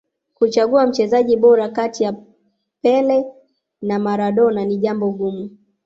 kuchagua mchezaji bora kati ya pele na maradona ni jambo gumu